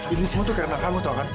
ini semua tuh karena kamu tau kan